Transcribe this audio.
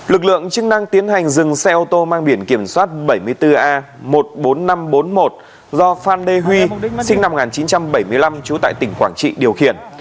lực lượng chức năng tiến hành dừng xe ô tô mang biển kiểm soát bảy mươi bốn a một mươi bốn nghìn năm trăm bốn mươi một do phan đê huy sinh năm một nghìn chín trăm bảy mươi năm trú tại tỉnh quảng trị điều khiển